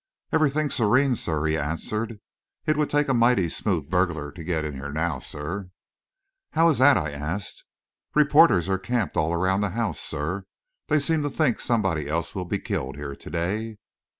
"Everything serene, sir," he answered. "It would take a mighty smooth burglar to get in here now, sir." "How is that?" I asked. "Reporters are camped all around the house, sir. They seem to think somebody else will be killed here to day."